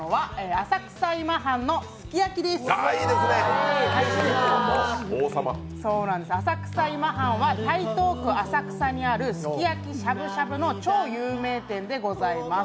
浅草今半は台東区浅草にあるすき焼、しゃぶしゃぶの超有名店でございます。